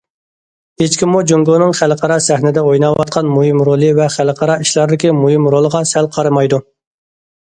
ھېچكىممۇ جۇڭگونىڭ خەلقئارا سەھنىدە ئويناۋاتقان مۇھىم رولى ۋە خەلقئارا ئىشلاردىكى مۇھىم رولىغا سەل قارىمايدۇ.